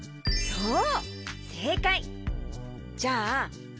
そう！